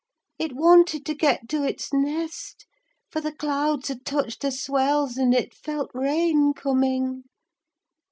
It wanted to get to its nest, for the clouds had touched the swells, and it felt rain coming.